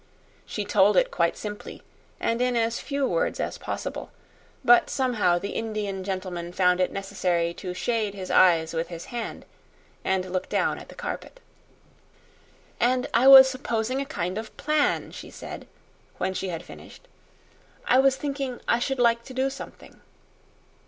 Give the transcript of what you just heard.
She told it quite simply, and in as few words as possible; but somehow the Indian gentleman found it necessary to shade his eyes with his hand and look down at the carpet. "And I was supposing a kind of plan," she said, when she had finished. "I was thinking I should like to do something."